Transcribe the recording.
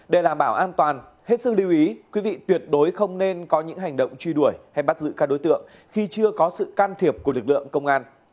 để đảm bảo an toàn hết sức lưu ý quý vị tuyệt đối không nên có những hành động truy đuổi hay bắt giữ các đối tượng khi chưa có sự can thiệp của lực lượng công an